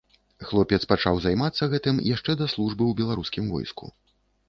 Хлопец пачаў займацца гэтым яшчэ да службы ў беларускім войску.